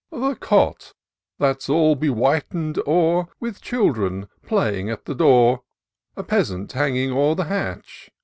" The cot, that's all bewhiten'd o'er, With children plajring at the door ; A peasant hanging o'er the hatch.